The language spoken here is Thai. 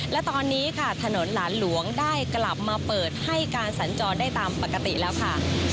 และตอนนี้ค่ะถนนหลานหลวงได้กลับมาเปิดให้การสัญจรได้ตามปกติแล้วค่ะ